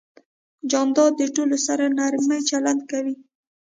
جانداد د ټولو سره نرمي چلند کوي.